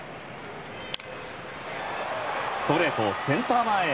ストレート、センター前へ。